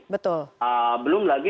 betul belum lagi